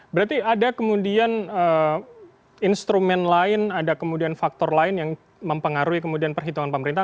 berarti ada kemudian instrumen lain ada kemudian faktor lain yang mempengaruhi kemudian perhitungan pemerintah